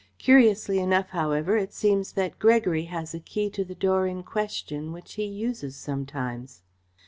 Curiously enough, however, it seems that Gregory has a key to the door in question, which he uses sometimes."